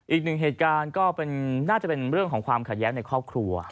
อีกหนึ่งเหตุการณ์ก็น่าจะเป็นเรื่องของความขัดแย้งในครอบครัว